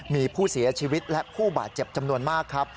มีผู้เสียชีวิตและผู้บาดเจ็บจำนวนมากครับ